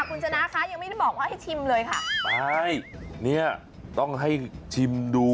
คุณชนะคะยังไม่ได้บอกว่าให้ชิมเลยค่ะไปเนี้ยต้องให้ชิมดู